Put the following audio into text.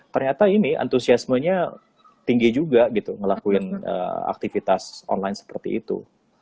ternyata ini antusiasmenya tinggi juga gitu ngelakuin aktivitas online seperti itu